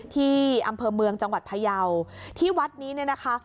ที่อำเภอเมืองจังหวัดพยาวที่วัดนี้เนี่ยนะคะ